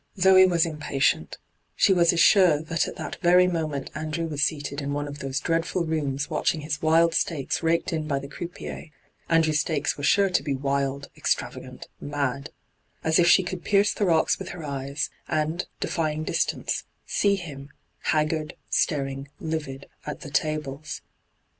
Zoe was impatient She was as sure that at that very moment Andrew was seated in one of those dreadful rooms watching his wild stakes raked in by the croupier — Andrew's stakes were sure to be wild, extravagant, mad — as if she could pierce the rocks with her eyes, and, defying distance, see him, haggard, staring, livid, at the tables.